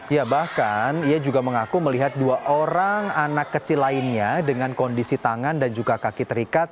ya bahkan ia juga mengaku melihat dua orang anak kecil lainnya dengan kondisi tangan dan juga kaki terikat